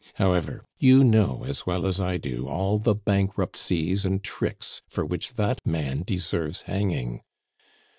However, you know as well as I do all the bankruptcies and tricks for which that man deserves hanging.